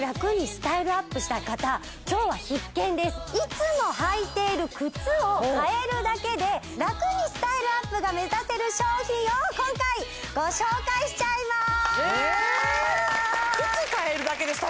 いつも履いている靴を変えるだけでラクにスタイルアップが目指せる商品を今回ご紹介しちゃいます